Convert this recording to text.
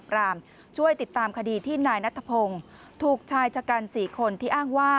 รักโรงชาว